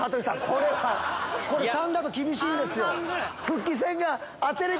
これ３だと厳しいんですよ。